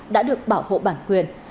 đã được bảo hộ bản quyền